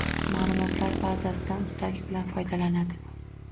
Ma’lumotlar bazasidan ustalik bilan foydalanadi